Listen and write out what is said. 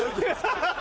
ハハハ！